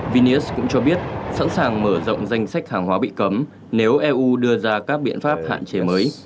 vinis cũng cho biết sẵn sàng mở rộng danh sách hàng hóa bị cấm nếu eu đưa ra các biện pháp hạn chế mới